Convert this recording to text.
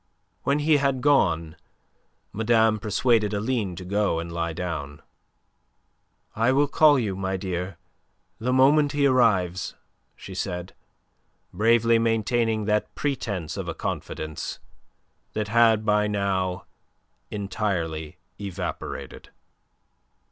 When he had gone, madame persuaded Aline to go and lie down. "I will call you, my dear, the moment he arrives," she said, bravely maintaining that pretence of a confidence that had by now entirely evaporated.